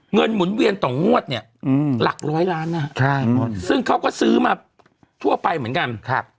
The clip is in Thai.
หมุนเวียนต่องวดเนี่ยหลักร้อยล้านนะซึ่งเขาก็ซื้อมาทั่วไปเหมือนกัน